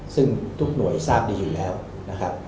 ซึ่งทุกหน่วยทราบดีอยู่แล้วนะครับ